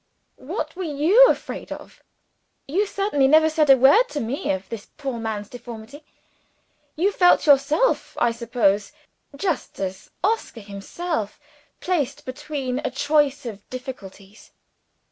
"What were you afraid of? You certainly never said a word to me of this poor man's deformity. You felt yourself, I suppose, (just as Oscar felt himself), placed between a choice of difficulties.